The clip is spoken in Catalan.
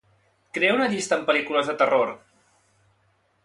Crea una llista amb pel·lícules de terror.